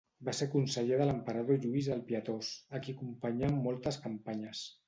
Va ser conseller de l'emperador Lluís el Pietós, a qui acompanyà en moltes campanyes.